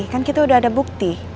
kan kita sudah ada bukti